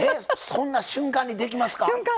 そんな瞬間にできますか？